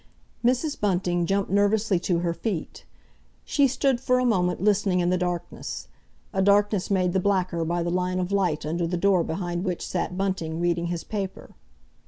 Mr. Bunting jumped nervously to her feet. She stood for a moment listening in the darkness, a darkness made the blacker by the line of light under the door behind which sat Bunting reading his paper.